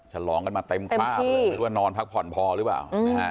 ฉลองกันมาเต็มคราบเลยนอนพักผ่อนพอหรือเปล่า